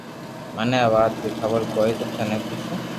مني اي وات ري خبر ھوئي تو تني پوسو